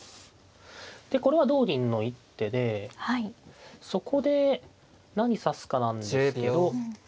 これは同銀の一手でそこで何指すかなんですけど。